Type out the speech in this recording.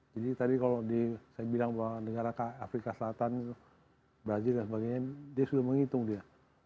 jadi tadi kalau saya bilang bahwa negara afrika selatan brazil dan sebagainya dia sudah menghitung dia